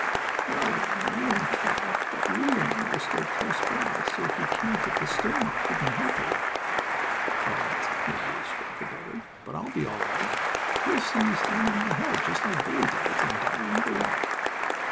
"Well, then, I won't tell," said Alice, "but Lulu and I will stay close by, so if you can't get the stone off we can help you." "Well, that's kind of you," spoke her brother, "but I'll be all right. You will see me stand on my head, just like Bully does, and dive under the water."